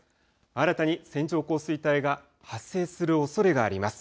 新たに線状降水帯が発生するおそれがあります。